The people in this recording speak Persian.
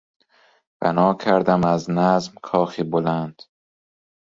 بنا کردم از نظم کاخی بلند